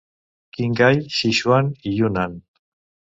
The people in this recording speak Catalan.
Qinghai, Sichuan i Yunnan.